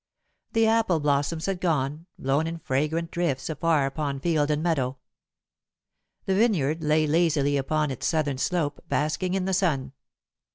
The apple blossoms had gone, blown in fragrant drifts afar upon field and meadow. The vineyard lay lazily upon its southern slope, basking in the sun.